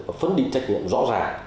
và phân định trách nhiệm rõ ràng